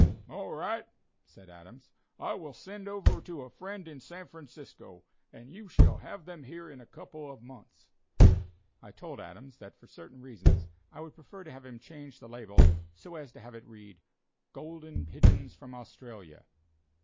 "All right," said Adams, "I will send over to a friend in San Francisco, and you shall have them here in a couple of months." I told Adams that, for certain reasons, I would prefer to have him change the label so as to have it read: "Golden Pigeons from Australia."